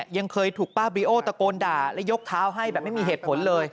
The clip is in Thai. ยังเคยถูกป้าบริโอตะโกนด่าและยกเท้าให้แบบไม่มีเหตุผลเลย